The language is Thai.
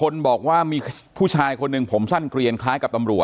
อ๋อเจ้าสีสุข่าวของสิ้นพอได้ด้วย